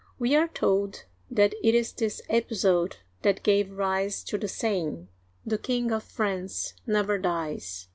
We are told that it is this episode that gave rise to the saying, " The King of France never dies."